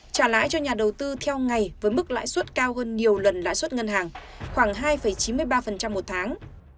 trả lãi cho nhà đầu tư theo ngày với mức lãi suất cao hơn nhiều lần lãi suất ngân hàng khoảng hai chín mươi ba một tháng